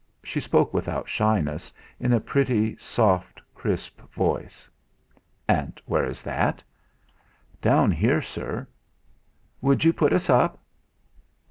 She spoke without shyness, in a pretty soft crisp voice. "And where is that?" "Down here, sir." "Would you put us up?" "Oh!